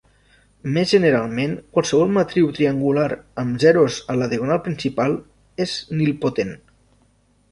Més generalment, qualsevol matriu triangular amb zeros a la diagonal principal és nilpotent.